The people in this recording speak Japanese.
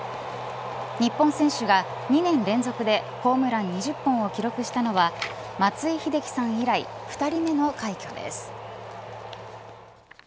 日本選手が２年連続でホームラン２０本を記録したのは松井秀喜さん以来２人目の快挙です。